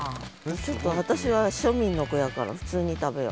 ちょっと私は庶民の子やから普通に食べよう。